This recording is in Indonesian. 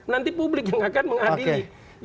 nanti publik yang akan mengadili